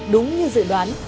đúng như dự đoán